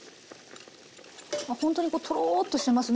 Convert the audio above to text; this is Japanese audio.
ほんとにこうとろっとしてますね